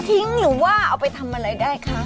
หรือว่าเอาไปทำอะไรได้คะ